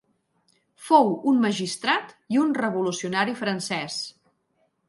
Fou un magistrat i un revolucionari francès.